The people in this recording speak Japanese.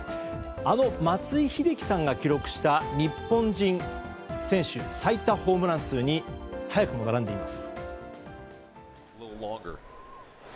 あの松井秀喜さんが記録した日本人選手最多ホームラン数に早くも並んでいます。